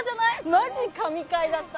マジ神回だった！